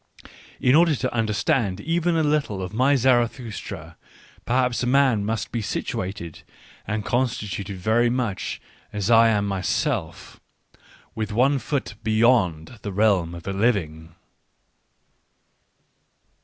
In order to understand even a little ofmyZarathustra, perhaps a man must be situated and constituted very much as I am my self — with one foot beyond the realm of the living.